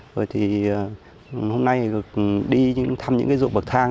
rồi thì hôm nay được đi thăm những cái ruộng bậc thang